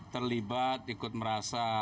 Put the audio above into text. terlibat ikut merasa